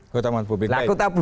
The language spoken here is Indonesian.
keutamaan publik itu apa